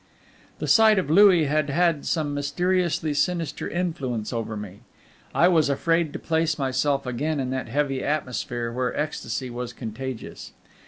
The sight of Louis had had some mysteriously sinister influence over me. I was afraid to place myself again in that heavy atmosphere, where ecstasy was contagious.